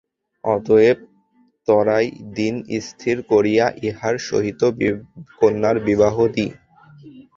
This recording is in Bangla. অতএব ত্বরায় দিন স্থির করিয়া ইহার সহিত কন্যার বিবাহ দি।